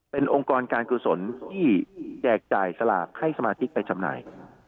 เป็นองค์กรการกุศลที่แจกจ่ายสลากให้สมาชิกไปจำหน่าย